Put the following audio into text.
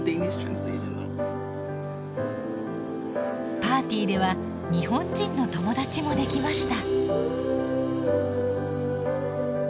パーティーでは日本人の友達もできました。